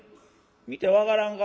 「見て分からんか？